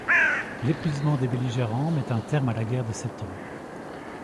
L'épuisement des belligérants met un terme à la guerre de Sept Ans.